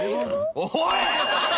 おい！